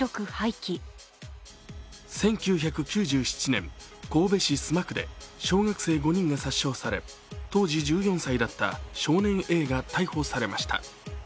１９９７年、神戸市須磨区で小学生５人が殺傷され当時１４歳だった少年Ａが逮捕されました。